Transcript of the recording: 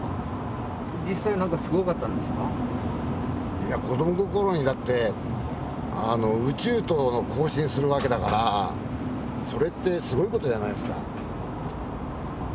いや子ども心にだって宇宙と交信するわけだからそれってすごいことじゃないですか。